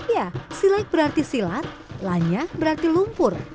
ya silek berarti silat lanya berarti lumpur